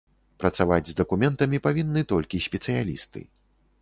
Працаваць з дакументамі павінны толькі спецыялісты.